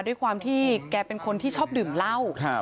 ด้วยความที่แกเป็นคนที่ชอบดื่มเหล้า